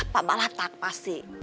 pak balak tak pasti